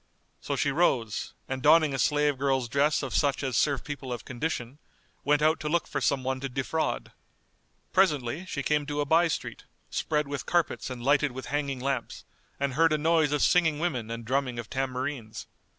So she rose, and donning a slave girl's dress of such as serve people of condition, went out to look for some one to defraud. Presently she came to a by street, spread with carpets and lighted with hanging lamps, and heard a noise of singing women and drumming of tambourines.